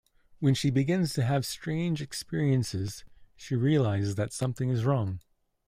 When she begins to have strange experiences, she realizes that something is wrong.